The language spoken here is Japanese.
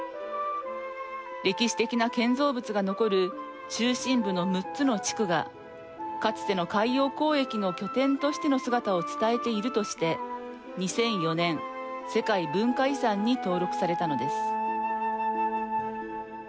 歴史的な建造物が残る中心部の６つの地区がかつての海洋交易の拠点としての姿を伝えているとして２００４年、世界文化遺産に登録されたのです。